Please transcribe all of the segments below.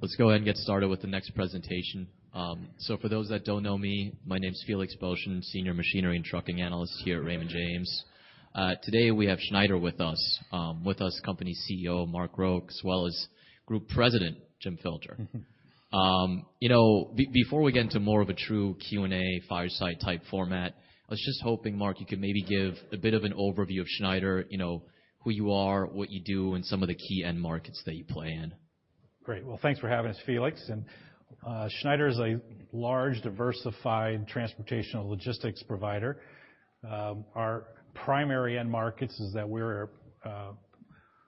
Let's go ahead and get started with the next presentation. For those that don't know me, my name is Felix Boeschen, Senior Machinery and Trucking Analyst here at Raymond James. Today we have Schneider with us. With us, company CEO Mark Rourke, as well as Group President, Jim Filter. You know, before we get into more of a true Q&A, fireside type format, I was just hoping, Mark, you could maybe give a bit of an overview of Schneider. You know, who you are, what you do, and some of the key end markets that you play in? Great. Well, thanks for having us, Felix. Schneider is a large, diversified transportational logistics provider. Our primary end markets is that we're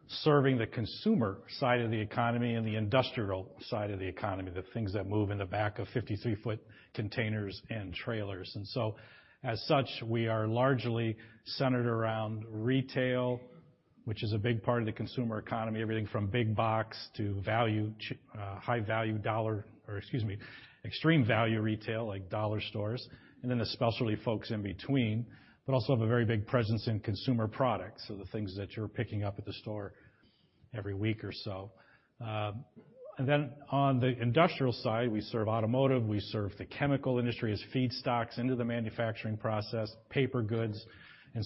serving the consumer side of the economy and the industrial side of the economy, the things that move in the back of 53 ft containers and trailers. As such, we are largely centered around retail, which is a big part of the consumer economy, everything from big box to value high value dollar, or excuse me, extreme value retail, like dollar stores, and then especially folks in between, but also have a very big presence in consumer products. The things that you're picking up at the store every week or so. On the industrial side, we serve automotive, we serve the chemical industry as feedstocks into the manufacturing process, paper goods.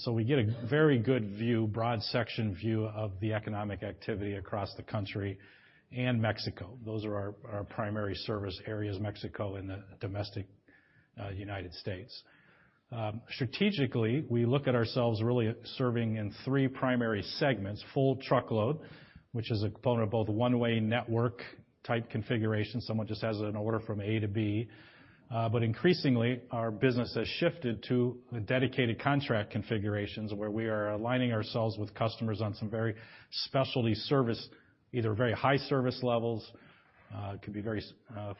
We get a very good view, broad section view of the economic activity across the country and Mexico. Those are our primary service areas, Mexico and the domestic United States. Strategically, we look at ourselves really serving in three primary segments, Full Truckload, which is a component of both one-way network type configuration. Someone just has an order from A to B. Increasingly, our business has shifted to the dedicated contract configurations, where we are aligning ourselves with customers on some very specialty service, either very high service levels, can be very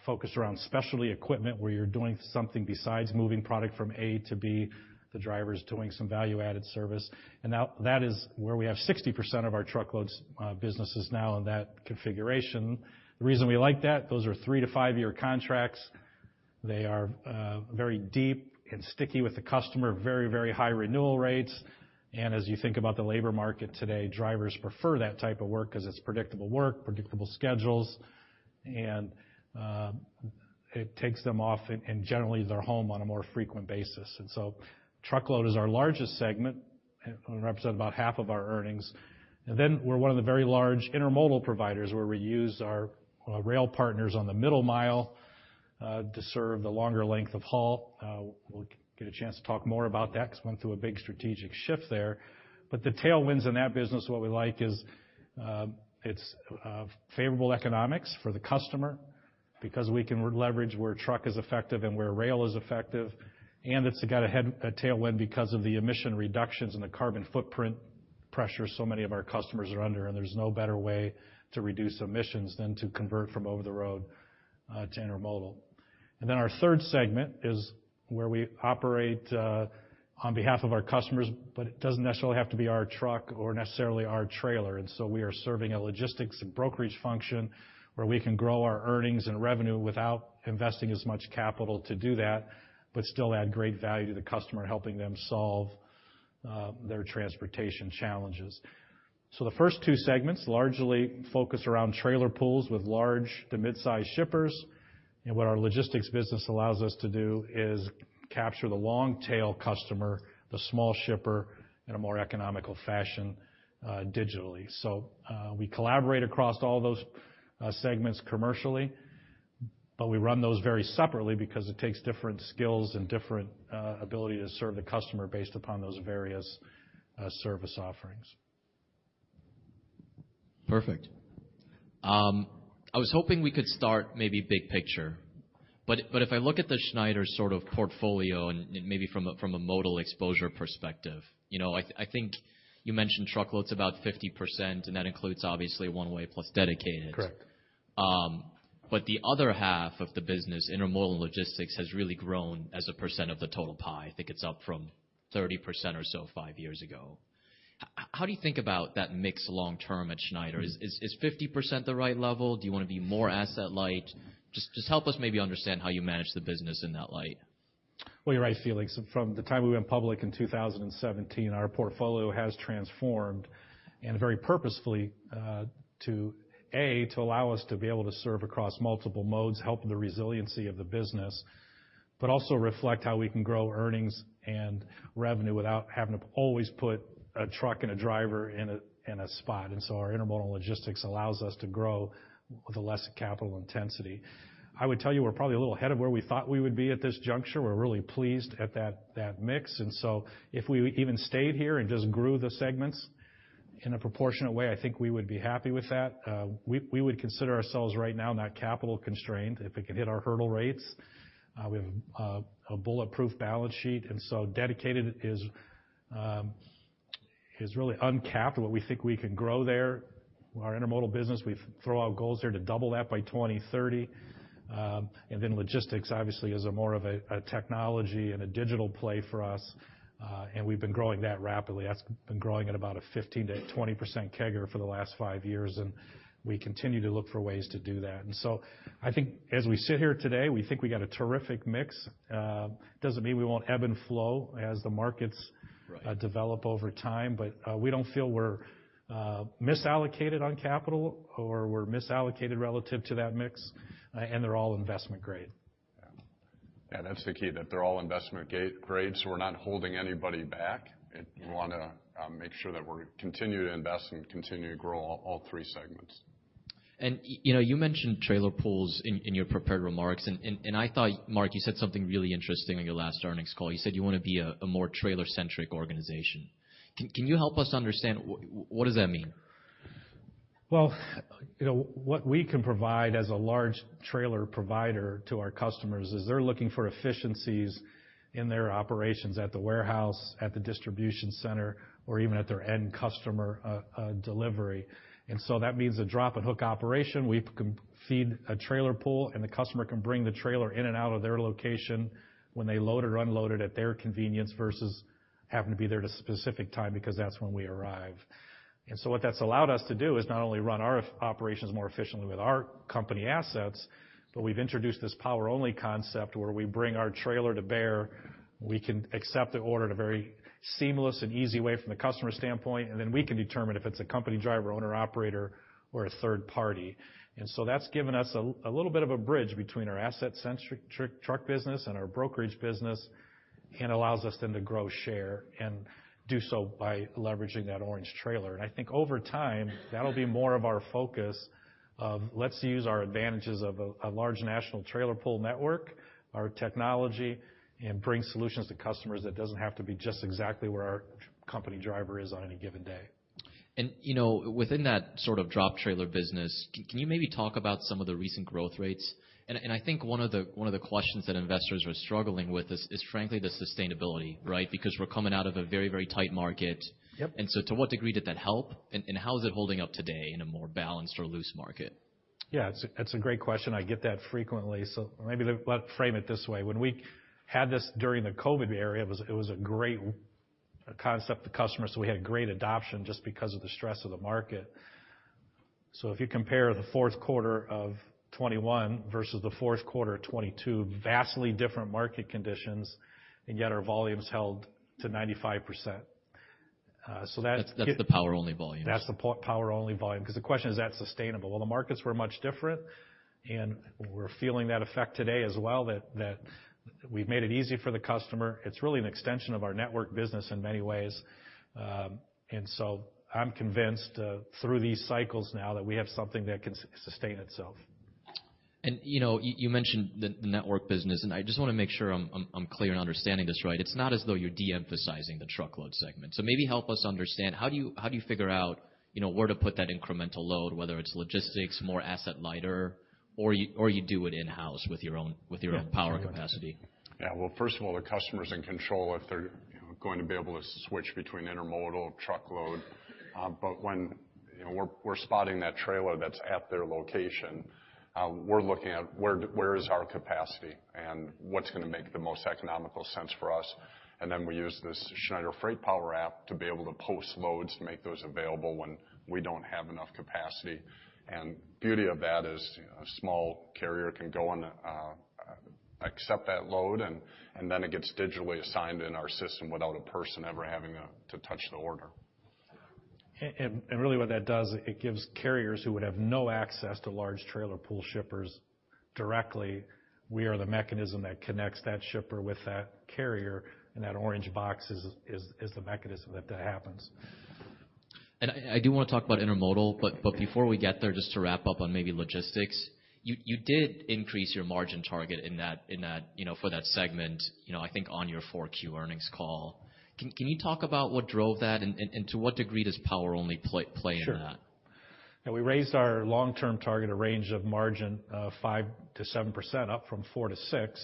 focused around specialty equipment, where you're doing something besides moving product from A to B, the driver's doing some value-added service. Now that is where we have 60% of our Truckload's businesses now in that configuration. The reason we like that, those are 3-5 year contracts. They are very deep and sticky with the customer, very high renewal rates. As you think about the labor market today, drivers prefer that type of work because it's predictable work, predictable schedules, and generally they're home on a more frequent basis. Truckload is our largest segment and represent about half of our earnings. Then we're one of the very large Intermodal providers, where we use our rail partners on the middle mile to serve the longer length of haul. We'll get a chance to talk more about that because went through a big strategic shift there. The tailwinds in that business, what we like is, it's favorable economics for the customer because we can leverage where truck is effective and where rail is effective, and it's got a tailwind because of the emission reductions and the carbon footprint pressure so many of our customers are under, and there's no better way to reduce emissions than to convert from over the road to Intermodal. Our third segment is where we operate on behalf of our customers, but it doesn't necessarily have to be our truck or necessarily our trailer. We are serving a Logistics and Brokerage function where we can grow our earnings and revenue without investing as much capital to do that, but still add great value to the customer, helping them solve their transportation challenges. The first two segments largely focus around trailer pools with large to mid-size shippers. What our Logistics business allows us to do is capture the long tail customer, the small shipper, in a more economical fashion, digitally. We collaborate across all those segments commercially, but we run those very separately because it takes different skills and different ability to serve the customer based upon those various service offerings. Perfect. I was hoping we could start maybe big picture. If I look at the Schneider sort of portfolio and maybe from a, from a modal exposure perspective, you know, I think you mentioned Truckload's about 50%, and that includes obviously one-way plus dedicated. Correct. The other half of the business, Intermodal Logistics, has really grown as a percent of the total pie. I think it's up from 30% or so five years ago. How do you think about that mix long term at Schneider? Is 50% the right level? Do you wanna be more asset light? Just help us maybe understand how you manage the business in that light. Well, you're right, Felix. From the time we went public in 2017, our portfolio has transformed, and very purposefully, to allow us to be able to serve across multiple modes, help the resiliency of the business, but also reflect how we can grow earnings and revenue without having to always put a truck and a driver in a spot. Our Intermodal Logistics allows us to grow with less capital intensity. I would tell you we're probably a little ahead of where we thought we would be at this juncture. We're really pleased at that mix. If we even stayed here and just grew the segments in a proportionate way, I think we would be happy with that. We would consider ourselves right now not capital constrained if we can hit our hurdle rates. We have a bulletproof balance sheet, dedicated is really uncapped what we think we can grow there. Our Intermodal business, we've throw out goals there to double that by 2030. Logistics obviously is a more of a technology and a digital play for us. We've been growing that rapidly. That's been growing at about a 15%-20% CAGR for the last 5 years. We continue to look for ways to do that. I think as we sit here today, we think we got a terrific mix. Doesn't mean we won't ebb and flow as the markets- Right Develop over time, but we don't feel we're misallocated on capital or we're misallocated relative to that mix, and they're all investment grade. Yeah, that's the key, that they're all investment grade, so we're not holding anybody back. We wanna make sure that we're continue to invest and continue to grow all three segments. You know, you mentioned trailer pools in your prepared remarks, and I thought, Mark, you said something really interesting on your last earnings call. You said you want to be a more trailer-centric organization. Can you help us understand what does that mean? Well, you know, what we can provide as a large trailer provider to our customers is they're looking for efficiencies in their operations at the warehouse, at the distribution center, or even at their end customer, delivery. That means a drop and hook operation. We can feed a trailer pool, and the customer can bring the trailer in and out of their location when they load or unload it at their convenience versus having to be there at a specific time because that's when we arrive. What that's allowed us to do is not only run our operations more efficiently with our company assets, but we've introduced this power only concept where we bring our trailer to bear. We can accept the order in a very seamless and easy way from the customer standpoint, and then we can determine if it's a company driver, owner-operator or a third party. That's given us a little bit of a bridge between our asset-centric truck business and our Brokerage business and allows us then to grow share and do so by leveraging that orange trailer. I think over time, that'll be more of our focus of let's use our advantages of a large national trailer pool network, our technology, and bring solutions to customers that doesn't have to be just exactly where our company driver is on any given day. You know, within that sort of drop-trailer business, can you maybe talk about some of the recent growth rates? I think one of the questions that investors are struggling with is frankly the sustainability, right? Because we're coming out of a very, very tight market. Yep. To what degree did that help, and how is it holding up today in a more balanced or loose market? Yeah, it's a great question. I get that frequently. Maybe let frame it this way. When we had this during the COVID era, it was a great concept to customers, so we had great adoption just because of the stress of the market. If you compare the fourth quarter of 2021 versus the fourth quarter of 2022, vastly different market conditions, and yet our volumes held to 95%. That- That's the Power Only volumes. That's the Power Only volume. Cause the question, is that sustainable? Well, the markets were much different, and we're feeling that effect today as well, that we've made it easy for the customer. It's really an extension of our network business in many ways. I'm convinced through these cycles now that we have something that can sustain itself. You know, you mentioned the network business, and I just wanna make sure I'm clear in understanding this right. It's not as though you're de-emphasizing the Truckload segment. Maybe help us understand how do you figure out, you know, where to put that incremental load, whether it's logistics, more asset lighter, or you do it in-house with your own power capacity? Yeah. Well, first of all, the customer's in control if they're, you know, going to be able to switch between Intermodal, Truckload. When, you know, we're spotting that trailer that's at their location, we're looking at where is our capacity and what's gonna make the most economical sense for us. We use this Schneider FreightPower app to be able to post loads to make those available when we don't have enough capacity. Beauty of that is, you know, a small carrier can go and accept that load, and then it gets digitally assigned in our system without a person ever having to touch the order. Really what that does, it gives carriers who would have no access to large trailer pool shippers directly, we are the mechanism that connects that shipper with that carrier, and that orange box is the mechanism that happens. I do wanna talk about Intermodal, but before we get there, just to wrap up on maybe Logistics. You did increase your margin target in that, you know, for that segment, you know, I think on your 4Q earnings call. Can you talk about what drove that and to what degree does power only play into that? Sure. Yeah, we raised our long-term target, a range of margin of 5%-7%, up from 4%-6%.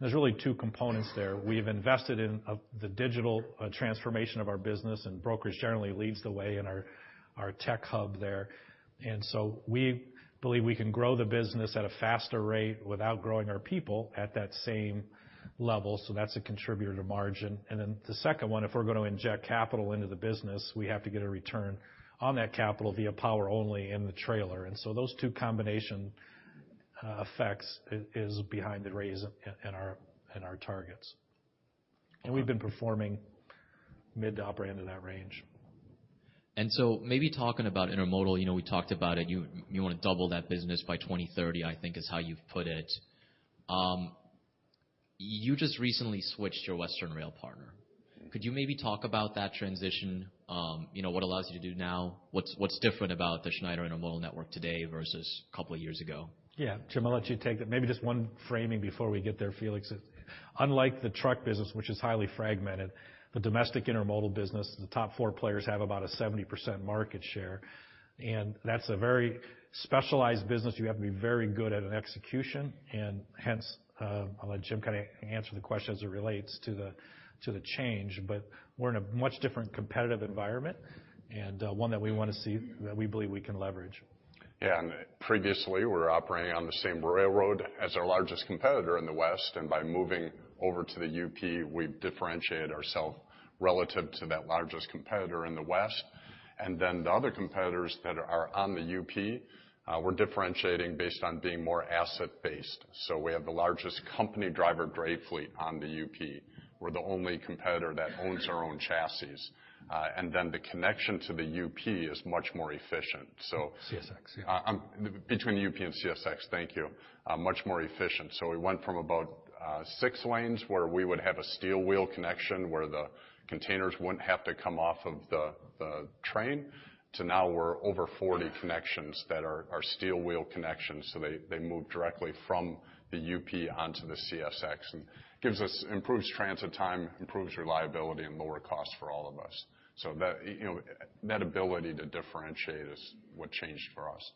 There's really two components there. We've invested in the digital transformation of our business, and Brokerage generally leads the way in our tech hub there. We believe we can grow the business at a faster rate without growing our people at that same level. So that's a contributor to margin. The second one, if we're gonna inject capital into the business, we have to get a return on that capital via Power Only in the trailer. Those two combination effects is behind the raise in our targets. We've been performing mid to upper end of that range. Maybe talking about Intermodal, you know, we talked about it. You, you wanna double that business by 2030, I think is how you've put it. You just recently switched your Western rail partner. Could you maybe talk about that transition? You know, what allows you to do now? What's different about the Schneider Intermodal network today versus a couple of years ago? Yeah. Jim, I'll let you take that. Maybe just one framing before we get there, Felix. Unlike the truck business, which is highly fragmented, the domestic Intermodal business, the top four players have about a 70% market share, and that's a very specialized business. You have to be very good at an execution and hence, I'll let Jim kind of answer the question as it relates to the, to the change. We're in a much different competitive environment and, one that we wanna see that we believe we can leverage. Yeah. Previously, we're operating on the same railroad as our largest competitor in the West, and by moving over to the UP, we differentiate ourself relative to that largest competitor in the West. The other competitors that are on the UP, we're differentiating based on being more asset-based. We have the largest company driver dray fleet on the UP. We're the only competitor that owns our own chassis. The connection to the UP is much more efficient. CSX, yeah. Between UP and CSX, thank you. Much more efficient. We went from about six lanes where we would have a steel wheel connection where the containers wouldn't have to come off of the train to now we're over 40 connections that are steel wheel connections, so they move directly from the UP onto the CSX and gives us improved transit time, improves reliability and lower cost for all of us. That, you know, that ability to differentiate is what changed for us.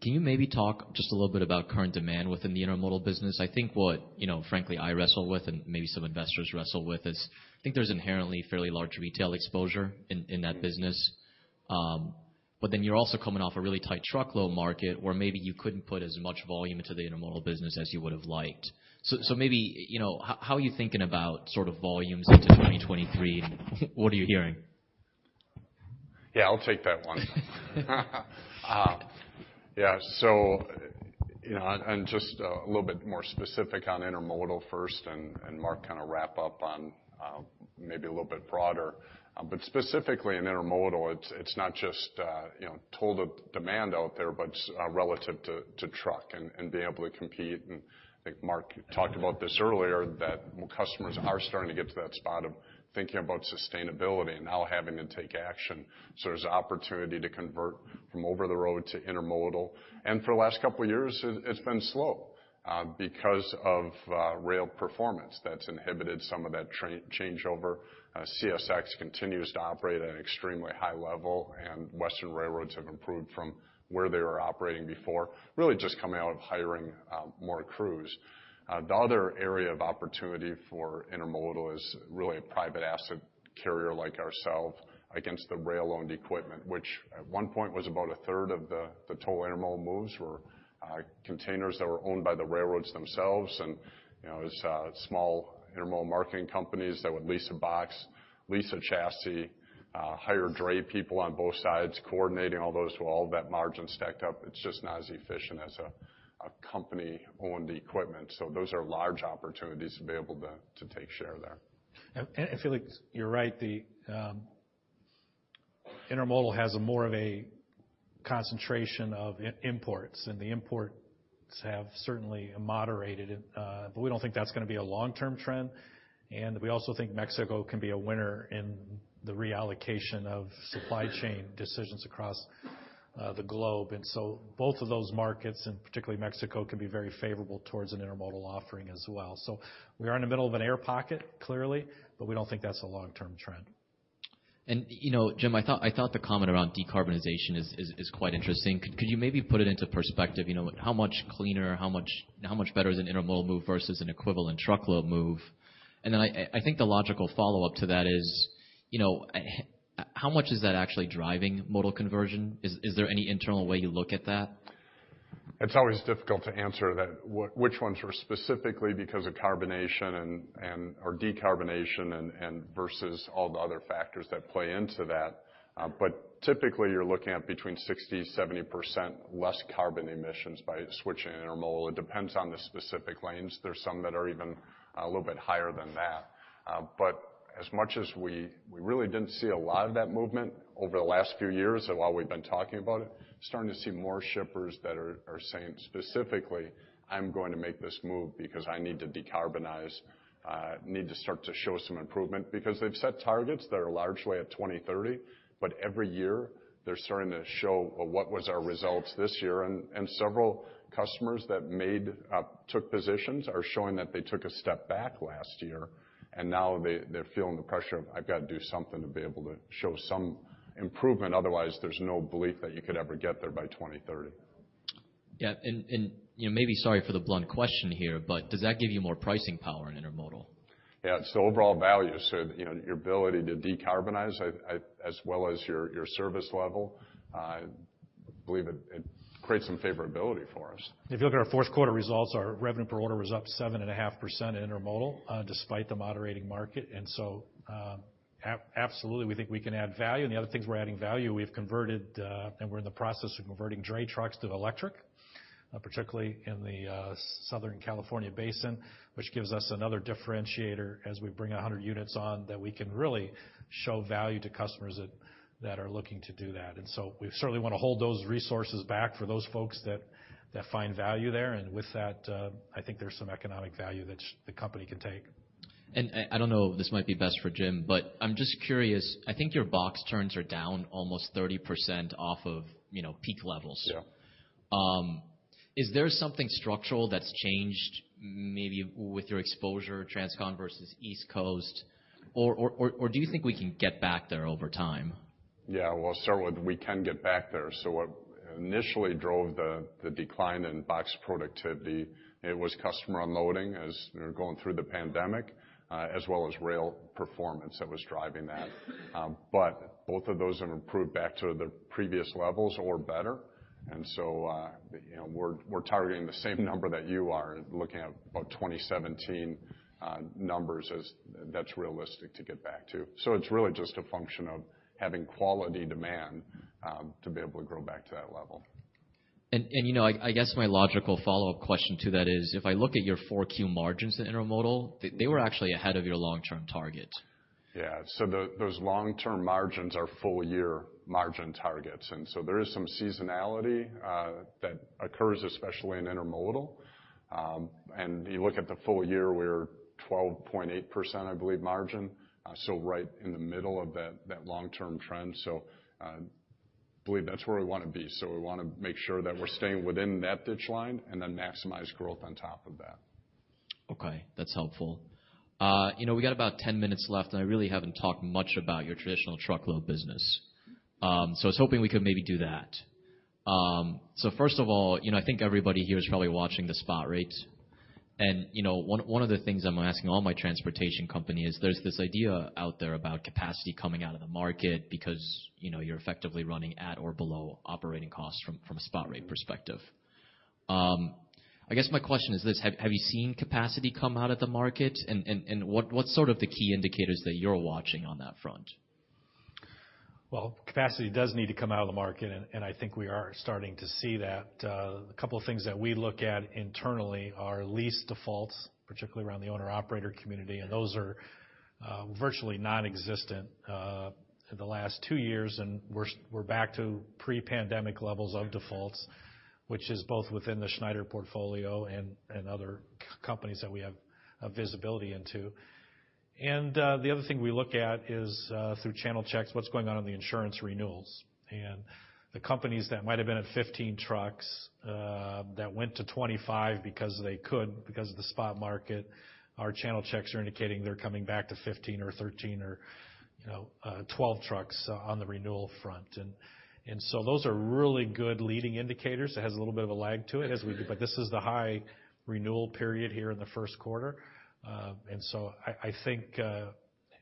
Can you maybe talk just a little bit about current demand within the Intermodal business? I think what, you know, frankly, I wrestle with, and maybe some investors wrestle with, is I think there's inherently fairly large retail exposure in that business. You're also coming off a really tight Truckload market where maybe you couldn't put as much volume into the Intermodal business as you would've liked. Maybe, you know, how are you thinking about sort of volumes into 2023? What are you hearing? Yeah, I'll take that one. You know, and just a little bit more specific on Intermodal first, and Mark kind of wrap up on maybe a little bit broader. Specifically in Intermodal, it's not just, you know, total demand out there, but it's relative to Truck and being able to compete. I think Mark talked about this earlier, that customers are starting to get to that spot of thinking about sustainability and now having to take action. There's opportunity to convert from over the road to Intermodal. For the last couple of years, it's been slow because of rail performance that's inhibited some of that changeover. CSX continues to operate at an extremely high level. Western Railroads have improved from where they were operating before, really just coming out of hiring more crews. The other area of opportunity for Intermodal is really a private asset carrier like ourselves against the rail-owned equipment, which at one point was about 1/3 of the total Intermodal moves were containers that were owned by the railroads themselves. You know, as small Intermodal marketing companies that would lease a box, lease a chassis, hire dray people on both sides, coordinating all those to all that margin stacked up, it's just not as efficient as a company-owned equipment. Those are large opportunities to be able to take share there. I feel like you're right. The Intermodal has a more of a concentration of imports, and the imports have certainly moderated. We don't think that's gonna be a long-term trend. We also think Mexico can be a winner in the reallocation of supply chain decisions across the globe. Both of those markets, and particularly Mexico, can be very favorable towards an Intermodal offering as well. We are in the middle of an air pocket, clearly, but we don't think that's a long-term trend. You know, Jim, I thought the comment around decarbonization is quite interesting. Could you maybe put it into perspective, you know, how much cleaner, how much better is an Intermodal move versus an equivalent Truckload move? I think the logical follow-up to that is, you know, how much is that actually driving modal conversion? Is there any internal way you look at that? It's always difficult to answer that, which ones are specifically because of carbonation and/or decarbonization and versus all the other factors that play into that. Typically, you're looking at between 60%-70% less carbon emissions by switching Intermodal. It depends on the specific lanes. There's some that are even a little bit higher than that. As much as we really didn't see a lot of that movement over the last few years, so while we've been talking about it, starting to see more shippers that are saying specifically, "I'm going to make this move because I need to decarbonize. I need to start to show some improvement." They've set targets that are largely at 2030, every year, they're starting to show, "Well, what was our results this year?" Several customers that made, took positions are showing that they took a step back last year, now they're feeling the pressure of, "I've got to do something to be able to show some improvement." Otherwise, there's no belief that you could ever get there by 2030. Yeah. you know, maybe sorry for the blunt question here, but does that give you more pricing power in Intermodal? Yeah. It's the overall value. You know, your ability to decarbonize, as well as your service level, I believe it creates some favorability for us. If you look at our fourth quarter results, our revenue per order was up 7.5% Intermodal, despite the moderating market. Absolutely, we think we can add value. The other things we're adding value, we've converted, and we're in the process of converting dray trucks to electric, particularly in the Southern California Basin, which gives us another differentiator as we bring 100 units on that we can really show value to customers that are looking to do that. We certainly wanna hold those resources back for those folks that find value there. I think there's some economic value that the company can take. I don't know, this might be best for Jim, but I'm just curious. I think your box turns are down almost 30% off of, you know, peak levels. Yeah. Is there something structural that's changed maybe with your exposure, Transcon versus East Coast? Or do you think we can get back there over time? Yeah. Well, certainly, we can get back there. What initially drove the decline in box productivity, it was customer unloading as we were going through the pandemic, as well as rail performance that was driving that. Both of those have improved back to the previous levels or better. You know, we're targeting the same number that you are, looking at about 2017 numbers as that's realistic to get back to. It's really just a function of having quality demand to be able to grow back to that level. You know, I guess my logical follow-up question to that is, if I look at your 4Q margins in Intermodal, they were actually ahead of your long-term target. Yeah. Those long-term margins are full year margin targets. There is some seasonality that occurs, especially in Intermodal. You look at the full year, we're 12.8%, I believe, margin. Right in the middle of that long-term trend. Believe that's where we wanna be. We wanna make sure that we're staying within that ditch line and then maximize growth on top of that. Okay, that's helpful. You know, we got about 10 minutes left, and I really haven't talked much about your traditional Truckload business. I was hoping we could maybe do that. First of all, you know, I think everybody here is probably watching the spot rates. You know, one of the things I'm asking all my transportation company is there's this idea out there about capacity coming out of the market because, you know, you're effectively running at or below operating costs from a spot rate perspective. I guess my question is this, have you seen capacity come out of the market? What's sort of the key indicators that you're watching on that front? Well, capacity does need to come out of the market, and I think we are starting to see that. A couple things that we look at internally are lease defaults, particularly around the owner-operator community, and those are virtually non-existent for the last two years, and we're back to pre-pandemic levels of defaults, which is both within the Schneider portfolio and other companies that we have visibility into. The other thing we look at is through channel checks, what's going on in the insurance renewals. The companies that might have been at 15 trucks that went to 25 because they could because of the spot market, our channel checks are indicating they're coming back to 15 or 13 or, you know, 12 trucks on the renewal front. Those are really good leading indicators. It has a little bit of a lag to it as we do. This is the high renewal period here in the first quarter. I think,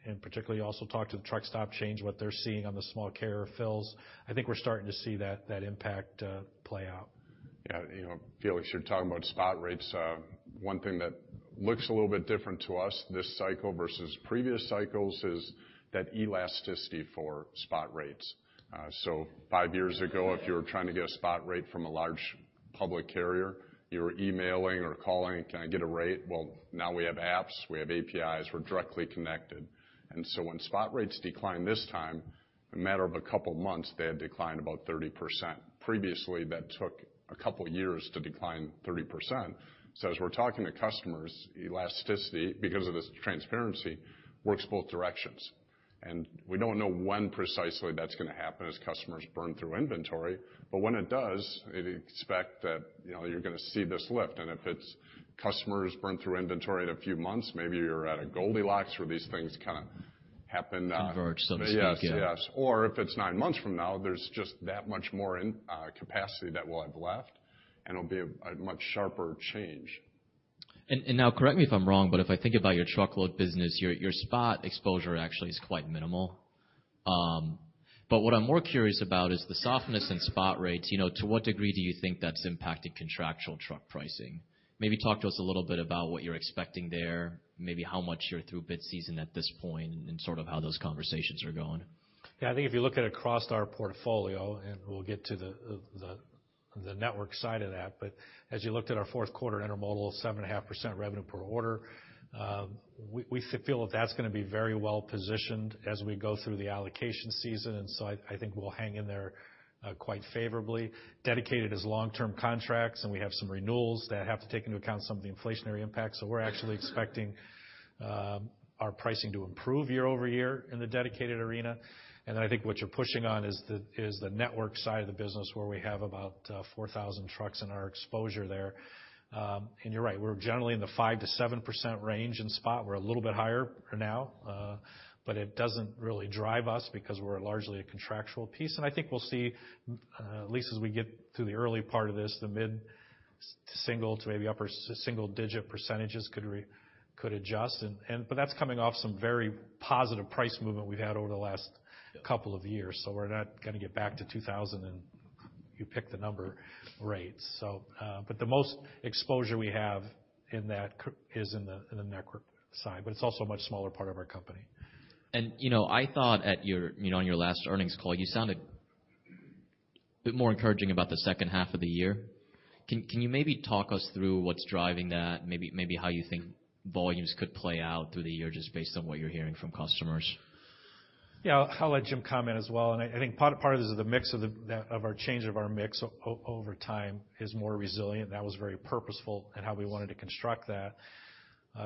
and particularly also talk to the Truckstops change, what they're seeing on the small carrier fills. I think we're starting to see that impact, play out. Yeah. You know, Felix, you're talking about spot rates. One thing that looks a little bit different to us this cycle versus previous cycles is that elasticity for spot rates. Five years ago, if you were trying to get a spot rate from a large public carrier, you were emailing or calling, "Can I get a rate?" Well, now we have apps, we have APIs, we're directly connected. When spot rates decline this time, in a matter of a couple months, they had declined about 30%. Previously, that took a couple years to decline 30%. As we're talking to customers, elasticity, because of this transparency, works both directions. We don't know when precisely that's gonna happen as customers burn through inventory. When it does, I'd expect that, you know, you're gonna see this lift. if it's customers burn through inventory in a few months, maybe you're at a Goldilocks where these things kind of happen. Converge, so to speak. Yes. If it's nine months from now, there's just that much more in capacity that will have left, and it'll be a much sharper change. Now correct me if I'm wrong, but if I think about your Truckload business, your spot exposure actually is quite minimal. What I'm more curious about is the softness in spot rates. You know, to what degree do you think that's impacting contractual truck pricing? Maybe talk to us a little bit about what you're expecting there, maybe how much you're through bid season at this point and sort of how those conversations are going. Yeah. I think if you look at across our portfolio, we'll get to the network side of that. As you looked at our fourth quarter Intermodal 7.5% revenue per order, we feel that that's gonna be very well positioned as we go through the allocation season. I think we'll hang in there quite favorably. dedicated is long-term contracts, we have some renewals that have to take into account some of the inflationary impacts. We're actually expecting our pricing to improve year-over-year in the dedicated arena. I think what you're pushing on is the network side of the business where we have about 4,000 trucks in our exposure there. You're right. We're generally in the 5%-7% range in spot. We're a little bit higher for now, but it doesn't really drive us because we're largely a contractual piece. I think we'll see, at least as we get through the early part of this, the mid-single to maybe upper single-digit percentages could adjust. But that's coming off some very positive price movement we've had over the last couple of years, so we're not gonna get back to 2,000 and you pick the number rates. But the most exposure we have in that is in the network side, but it's also a much smaller part of our company. You know, I thought at your, you know, on your last earnings call, you sounded a bit more encouraging about the second half of the year. Can you maybe talk us through what's driving that, maybe how you think volumes could play out through the year just based on what you're hearing from customers? Yeah. I'll let Jim comment as well. I think part of this is the mix of the, that of our change of our mix over time is more resilient. That was very purposeful in how we wanted to construct that.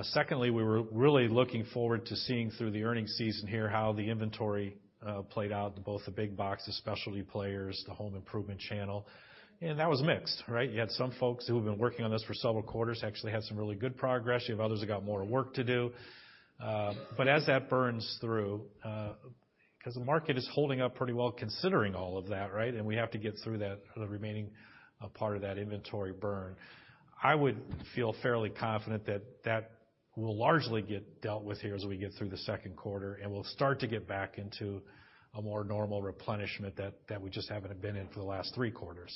Secondly, we were really looking forward to seeing through the earnings season here how the inventory played out to both the big box, the specialty players, the home improvement channel. That was mixed, right? You had some folks who have been working on this for several quarters, actually had some really good progress. You have others that got more work to do. As that burns through, cause the market is holding up pretty well considering all of that, right? We have to get through that, the remaining part of that inventory burn. I would feel fairly confident that that will largely get dealt with here as we get through the second quarter, and we'll start to get back into a more normal replenishment that we just haven't been in for the last three quarters.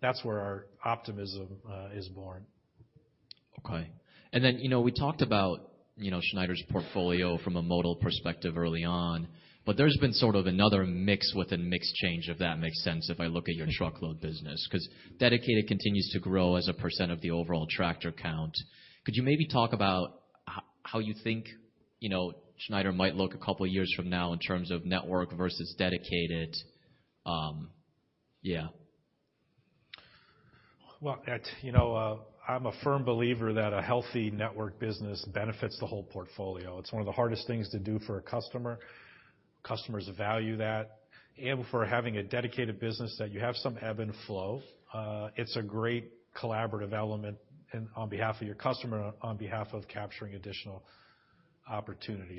That's where our optimism is born. Okay. Then, you know, we talked about, you know, Schneider's portfolio from a modal perspective early on, but there's been sort of another mix with a mix change, if that makes sense, if I look at your Truckload business. Cause dedicated continues to grow as a percent of the overall tractor count. Could you maybe talk about how you think, you know, Schneider might look a couple years from now in terms of network versus dedicated? Yeah. Well, that, you know, I'm a firm believer that a healthy network business benefits the whole portfolio. It's one of the hardest things to do for a customer. Customers value that. For having a dedicated business that you have some ebb and flow, it's a great collaborative element and on behalf of your customer, on behalf of capturing additional opportunity.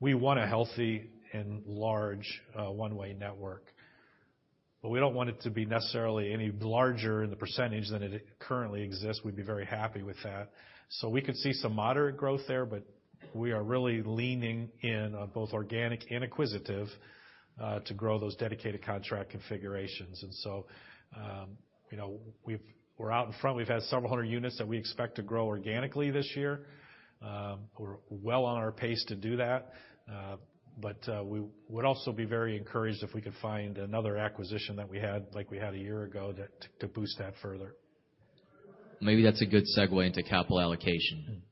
We want a healthy and large one-way network, but we don't want it to be necessarily any larger in the percentage than it currently exists. We'd be very happy with that. We could see some moderate growth there, but we are really leaning in on both organic and acquisitive to grow those dedicated contract configurations. You know, we're out in front. We've had several hundred units that we expect to grow organically this year. We're well on our pace to do that, but we would also be very encouraged if we could find another acquisition that we had like we had a year ago to boost that further. Maybe that's a good segue into capital allocation.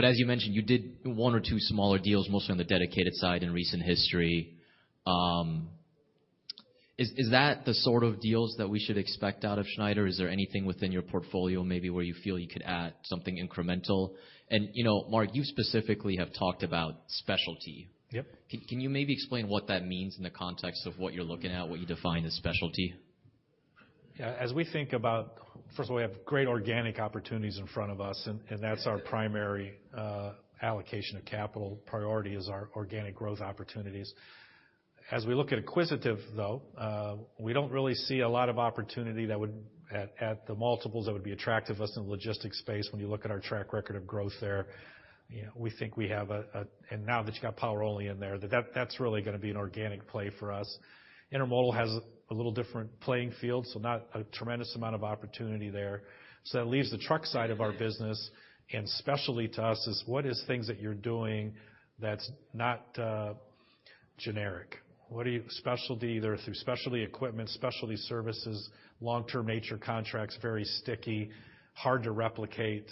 As you mentioned, you did one or two smaller deals, mostly on the dedicated side in recent history. Is that the sort of deals that we should expect out of Schneider? Is there anything within your portfolio maybe where you feel you could add something incremental? You know, Mark, you specifically have talked about specialty. Yep. Can you maybe explain what that means in the context of what you're looking at, what you define as specialty? Yeah. As we think about, first of all, we have great organic opportunities in front of us, and that's our primary allocation of capital. Priority is our organic growth opportunities. As we look at acquisitive, though, we don't really see a lot of opportunity that would at the multiples that would be attractive to us in the Logistics space when you look at our track record of growth there. You know, we think we have a, now that you've got Power Only in there, that's really gonna be an organic play for us. Intermodal has a little different playing field, so not a tremendous amount of opportunity there. That leaves the truck side of our business, and specialty to us is what is things that you're doing that's not generic. What are you- Specialty, either through specialty equipment, specialty services, long-term nature contracts, very sticky, hard to replicate,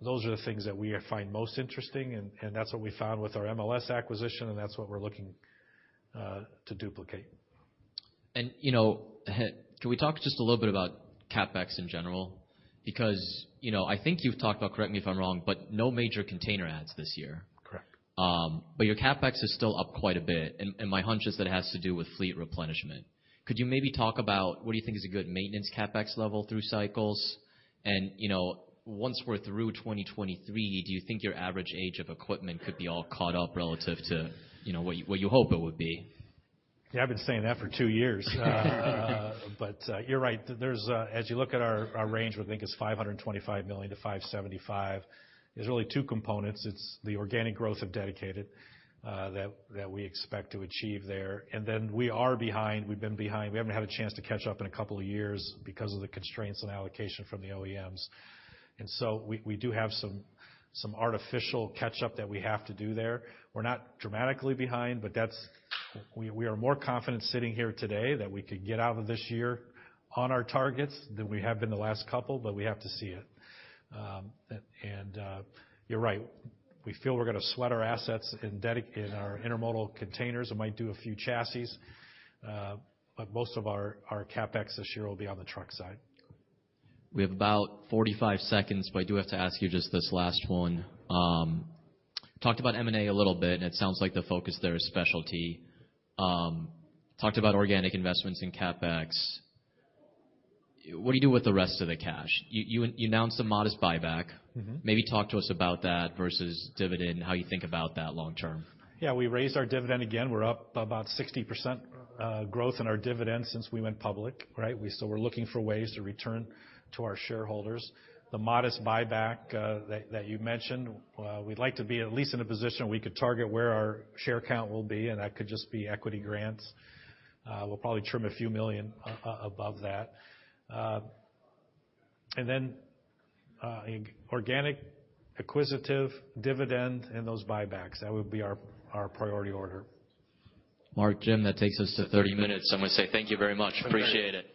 those are the things that we find most interesting, and that's what we found with our MLS acquisition, and that's what we're looking to duplicate. You know, can we talk just a little bit about CapEx in general? Because, you know, I think you've talked about, correct me if I'm wrong, but no major container ads this year. Correct. Your CapEx is still up quite a bit, and my hunch is that it has to do with fleet replenishment. Could you maybe talk about what you think is a good maintenance CapEx level through cycles? You know, once we're through 2023, do you think your average age of equipment could be all caught up relative to, you know, what you hope it would be? Yeah, I've been saying that for two years. You're right. As you look at our range, we think it's $525 million-$575 million. There's really two components. It's the organic growth of dedicated that we expect to achieve there. We are behind, we've been behind, we haven't had a chance to catch up in a couple of years because of the constraints on allocation from the OEMs. We do have some artificial catch-up that we have to do there. We're not dramatically behind, but we are more confident sitting here today that we could get out of this year on our targets than we have been the last couple, but we have to see it. You're right. We feel we're gonna sweat our assets in our Intermodal containers and might do a few chassis. Most of our CapEx this year will be on the truck side. We have about 45 seconds, but I do have to ask you just this last one. Talked about M&A a little bit, it sounds like the focus there is specialty. Talked about organic investments in CapEx. What do you do with the rest of the cash? You announced a modest buyback. Maybe talk to us about that versus dividend, how you think about that long term. We raised our dividend again. We're up about 60% growth in our dividend since we went public, right? We still were looking for ways to return to our shareholders. The modest buyback that you mentioned, we'd like to be at least in a position we could target where our share count will be, and that could just be equity grants. We'll probably trim a few million above that. Organic, acquisitive, dividend, and those buybacks, that would be our priority order. Mark, Jim, that takes us to 30 minutes. I'm gonna say thank you very much. Appreciate it.